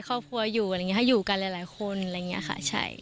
ครอบครัวอยู่อะไรอย่างนี้ให้อยู่กันหลายคนอะไรอย่างนี้ค่ะใช่